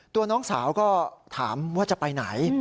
ตัวน้องสาวก็ถามว่าจะไปไหน